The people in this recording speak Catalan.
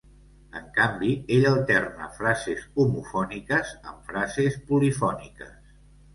En canvi, ell alterna frases homofòniques amb frases polifòniques.